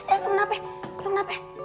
eh lu kenapa